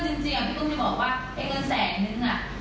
ซึ่งจริงอ่ะพี่กุ้งจะบอกว่าไอ้เงินแสนหนึ่งอ่ะ